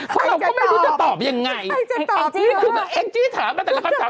เขาเราก็ไม่รู้จะตอบยังไงเอกซี่ถามกันแต่ละคราว